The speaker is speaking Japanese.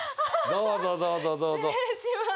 どうぞどうぞどうぞ失礼します